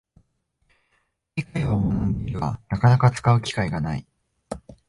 英会話を学んでいるが、なかなか使う機会がない